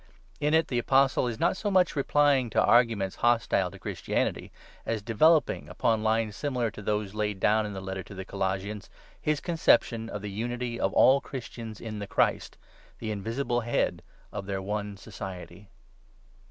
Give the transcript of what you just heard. In it the Apostle is not so much replying to arguments hostile to Christianity, as developing, upon lines similar to those laid down in the Letter to the Colossians, his conception of the unity of all Christians in the Christ, the invisible Head of their one Society.